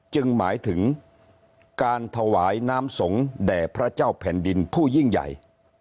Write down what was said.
หมายถึงการถวายน้ำสงฆ์แด่พระเจ้าแผ่นดินผู้ยิ่งใหญ่